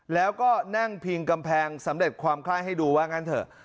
แล้วก็นั่งพิงกำแพงสำเร็จความไคร้ให้ดูว่างั้นเถอะ